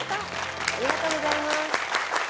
ありがとうございます。